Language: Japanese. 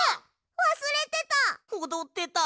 わすれてた！